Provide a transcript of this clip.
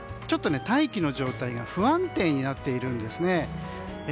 ちょっと大気の状態が不安定になっているんですね。